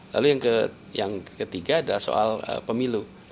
lalu yang ketiga adalah soal pemilu